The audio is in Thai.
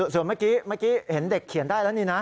ส่วนเมื่อกี้เห็นเด็กเขียนได้แล้วนี่นะ